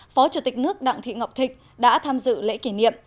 phó chủ tịch nước đặng thị ngọc thịnh đã tham dự lễ kỷ niệm